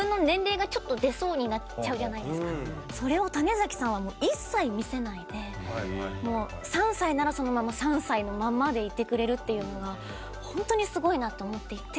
それを種さんはもう一切見せないで３歳ならそのまま３歳のままでいてくれるっていうのがホントにすごいなと思っていて。